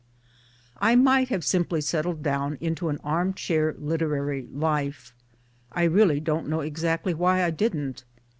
I might have simply settled down into an arm chair literary life. I really don't know exactly why I didn't.